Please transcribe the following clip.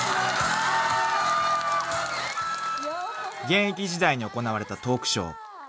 ［現役時代に行われたトークショー］